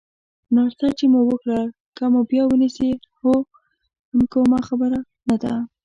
ناشته چې مو وکړه، که مو بیا ونیسي هم کومه خبره نه ده.